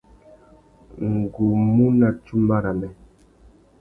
Ngu mú nà tsumba râmê.